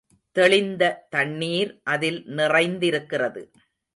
தெளிந்த தண்ணீர் அதில் நிறைந்திருக்கிறது.